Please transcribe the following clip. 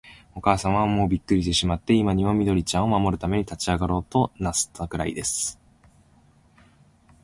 おかあさまは、もうびっくりしてしまって、今にも、緑ちゃんを守るために立ちあがろうとなすったくらいです。